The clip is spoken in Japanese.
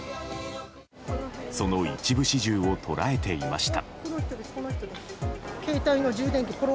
その一部始終を捉えていました。